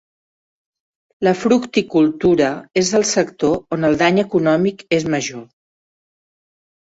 La fructicultura és el sector on el dany econòmic és major.